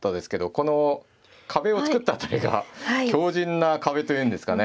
この壁を作った辺りが強じんな壁と言うんですかね。